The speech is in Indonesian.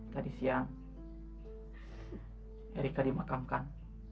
tadi siang erika dimakamkan